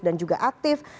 dan juga aktif